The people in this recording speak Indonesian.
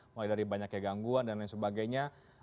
mulai dari banyaknya gangguan dan lain sebagainya